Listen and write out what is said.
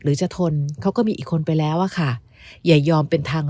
หรือจะทนเขาก็มีอีกคนไปแล้วอะค่ะอย่ายอมเป็นทาง